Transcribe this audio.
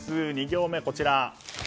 ２行目、こちら。